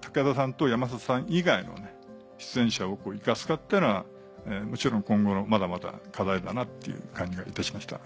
武田さんと山里さん以外の出演者を生かすかっていうのはもちろん今後のまだまだ課題だなっていう感じがいたしました。